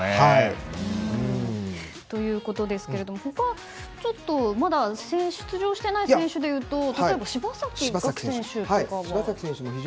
ということですが他は、まだ出場していない選手でいうと柴崎岳選手とかは？